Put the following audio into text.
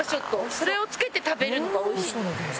それをつけて食べるのが美味しい。